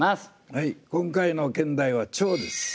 はい今回の兼題は「蝶」です。